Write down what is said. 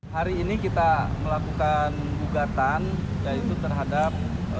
hari ini kita melakukan gugatan yaitu terhadap